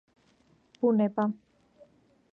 ბუნება